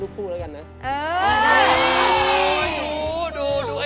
ได้ทุกฝั่งเลย